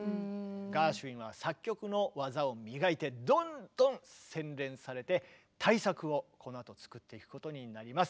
ガーシュウィンは作曲の技を磨いてどんどん洗練されて大作をこのあと作っていくことになります。